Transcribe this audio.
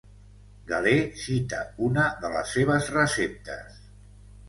Galè cita una de les seves receptes.